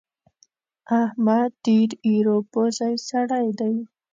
احمد ډېر ايرو پزی سړی دی.